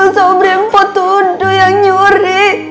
sobrini mpo tuduh yang nyuri